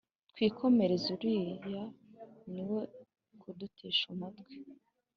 twikomereze uruya ni uwo kudutesha umutwe